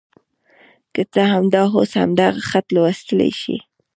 که ته همدا اوس همدغه خط لوستلی شې.